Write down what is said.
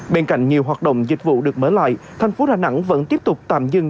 bên cạnh nhiều hoạt động dịch vụ được mở lại thành phố đà nẵng vẫn tiếp tục tạm dừng